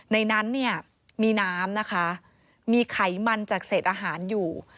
ในนั้นมีน้ำมีไขมันจากเศษอาหารอยู่